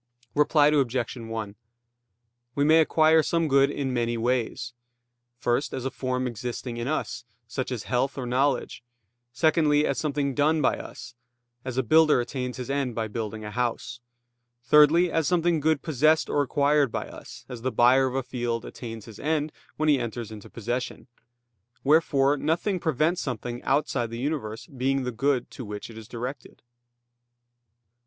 Reply Obj. 1: We may acquire some good in many ways: first, as a form existing in us, such as health or knowledge; secondly, as something done by us, as a builder attains his end by building a house; thirdly, as something good possessed or acquired by us, as the buyer of a field attains his end when he enters into possession. Wherefore nothing prevents something outside the universe being the good to which it is directed.